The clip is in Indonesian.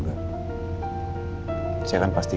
jadi ya begitu sih